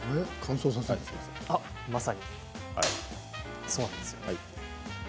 まさにそうなんです。